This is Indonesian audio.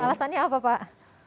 alasannya apa pak